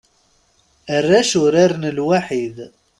Arrac uraren lwaḥid.